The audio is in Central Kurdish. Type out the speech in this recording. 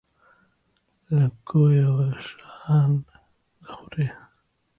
لە کوێوە شان دەخورێ.